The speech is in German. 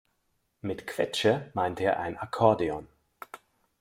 Mit Quetsche meint er ein Akkordeon.